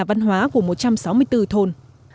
văn hóa của một trăm sáu mươi bốn thôn